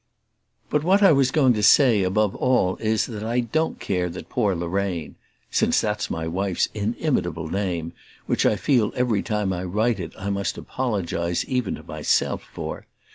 But what I was going to say above all is that I don't care that poor Lorraine since that's my wife's inimitable name, which I feel every time I write it I must apologize even to myself for!